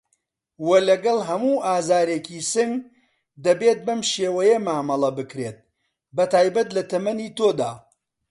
وه لەگەڵ هەموو ئازارێکی سنگ دەبێت بەم شێوەیە مامەڵه بکرێت بەتایبەت لە تەمەنی تۆدا